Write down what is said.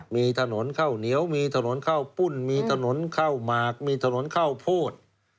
มีถนนข้าวเหนียวมีถนนข้าวปุ้นมีถนนข้าวหมากมีถนนข้าวโพด